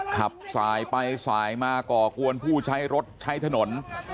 ขับสายไปสายมาก่อกวนผู้ใช้รถใช้ถนน